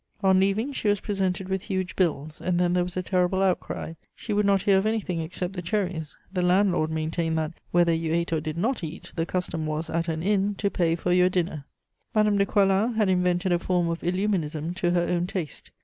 On leaving, she was presented with huge bills, and then there was a terrible outcry. She would not hear of anything except the cherries; the landlord maintained that, whether you ate or did not eat, the custom was, at an inn, to pay for your dinner. Madame de Coislin had invented a form of illuminism to her own taste.